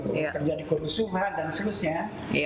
terjadi kerusuhan dan sebagainya